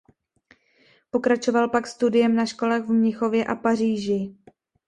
Pokračoval pak studiem na školách v Mnichově a Paříži.